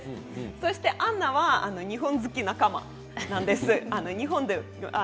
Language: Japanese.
そしてアンナは日本好き仲間なんです。